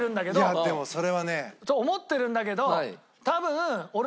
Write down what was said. いやでもそれはね。と思ってるんだけど多分。